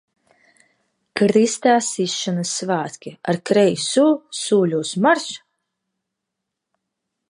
Krustā sišanas svētki, ar kreiso, soļot marš!